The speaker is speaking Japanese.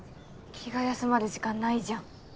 気が休まる時間ないじゃん。